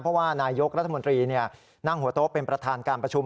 เพราะว่านายกรัฐมนตรีนั่งหัวโต๊ะเป็นประธานการประชุม